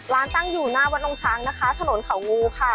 ตั้งอยู่หน้าวัดลงช้างนะคะถนนเขางูค่ะ